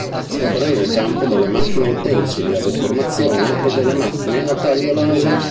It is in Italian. Opera nel campo delle macchine utensili a deformazione e delle macchine a taglio laser.